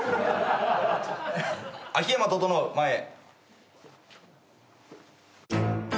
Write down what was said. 秋山整前へ。